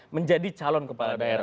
menjadi calon kepala daerah